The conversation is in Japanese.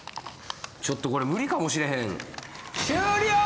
ちょっとこれ無理かもしれへん終了！